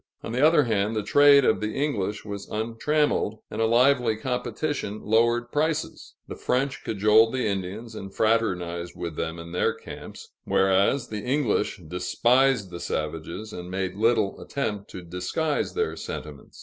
On the other hand, the trade of the English was untrammeled, and a lively competition lowered prices. The French cajoled the Indians, and fraternized with them in their camps; whereas, the English despised the savages, and made little attempt to disguise their sentiments.